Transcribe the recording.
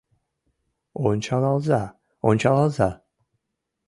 Ончалалза, ончалалза -